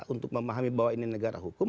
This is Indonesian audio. untuk memahami bahwa ini negara hukum